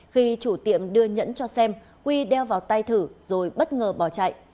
khi chủ tiệm đưa nhẫn cho xem quy đeo vào tay thử rồi bất ngờ bỏ chạy